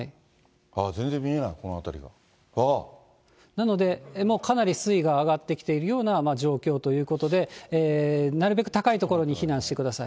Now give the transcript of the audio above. なので、もうかなり水位が上がってきているような状況ということで、なるべく高い所に避難してください。